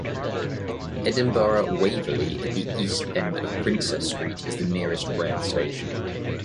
Edinburgh Waverley at the East end of Princes Street is the nearest rail station.